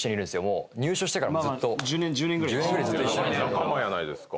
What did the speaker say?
仲間やないですか。